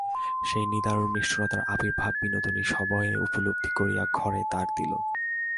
সেই নিদারুণ নিষ্ঠুরতার আবির্ভাব বিনোদিনী সভয়ে উপলব্ধি করিয়া ঘরে দ্বার দিল।